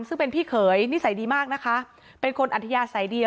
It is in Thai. ซึ่งเป็นพี่เขยนิสัยดีมากนะคะเป็นคนอัธยาศัยดี